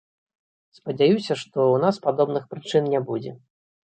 Спадзяюся, што ў нас падобных прычын не будзе.